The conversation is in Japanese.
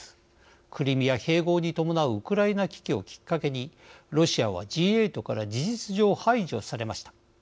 クリミア併合に伴うウクライナ危機をきっかけにロシアはＧ８から事実上排除されました。